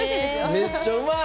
めっちゃうまい！